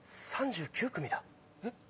３９組だ。